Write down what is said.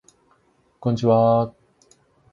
こんちはー